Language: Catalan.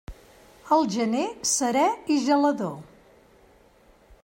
El gener serè i gelador.